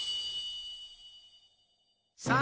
さあ